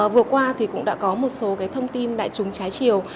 vừa qua thì cũng đã có một số thông tin đại chúng trái chiều